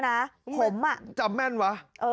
รู้จักแม่นว่ะ